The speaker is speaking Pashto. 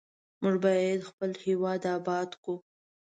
موږ باید خپل هیواد آباد کړو.